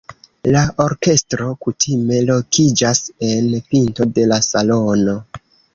La orkestro kutime lokiĝas en pinto de la salono.